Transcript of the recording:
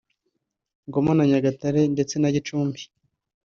Ngoma na Nyagatare ndetse na Gicumbi